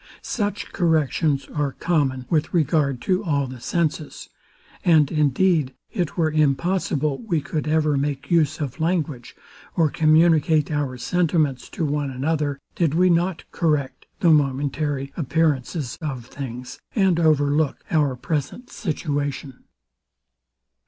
Such corrections are common with regard to all the senses; and indeed it were impossible we could ever make use of language, or communicate our sentiments to one another, did we not correct the momentary appearances of things, and overlook our present situation.